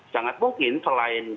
sangat mungkin selain